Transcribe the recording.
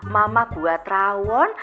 mama buat rawon